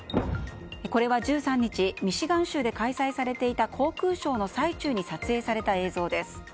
これは、１３日ミシガン州で開催されていた航空ショーの最中に撮影された映像です。